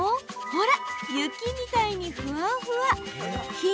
ほら、雪みたいにふわふわに。